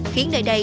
khiến nơi đây